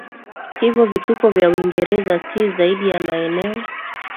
Hivyo vituko vya Uingereza si zaidi ya maeneo